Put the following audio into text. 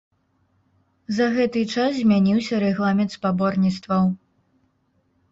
За гэты час змяніўся рэгламент спаборніцтваў.